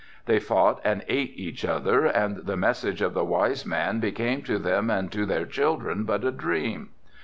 They fought and ate each other, and the message of the wise man became to them and to their children but a dream.